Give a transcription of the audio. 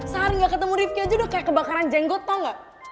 sehari nggak ketemu rifki aja udah kayak kebakaran jenggot tau gak